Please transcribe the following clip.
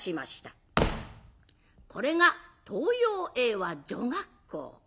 これが東洋英和女学校。